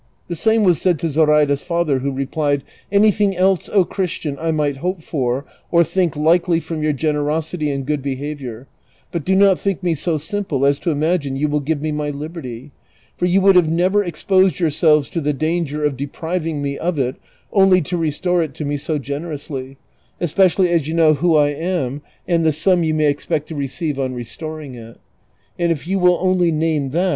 The same was said to Zoraida's father, who replied, "Anything else, O Christian, I might hope for or think likely from your generos ity and good behavior, but do not think me so simple as to imagine you will give me my liberty; for you would have never exposed yourselves to the danger of depriving me of it only to restore it to me so generously, especially as you know who I am and the sum you may expect to receive on restoring it ; and if you will only name that.